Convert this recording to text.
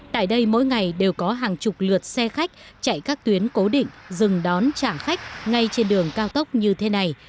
tại đây mỗi ngày đều có hàng chục lượt xe khách chạy các tuyến cố định dừng đón trả khách ngay trên đường cao tốc như thế này